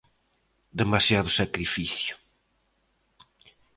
Demasiado sacrificio.